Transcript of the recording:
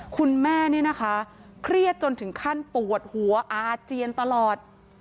คุณแม่เนี่ยนะคะเครียดจนถึงขั้นปวดหัวอาเจียนตลอด